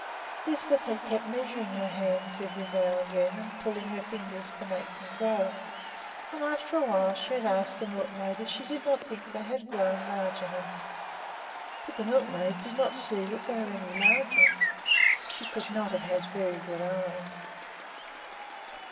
Lisbeth had kept measuring her hands every now and then and pulling her fingers to make them grow; and after a while she had asked the milkmaid if she did not think they had grown large enough, but the milkmaid did not see that they were any larger. She could not have very good eyes!